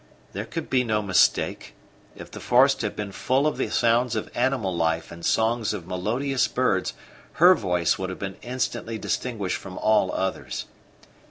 There could be no mistake; if the forest had been full of the sounds of animal life and songs of melodious birds, her voice would have been instantly distinguished from all others.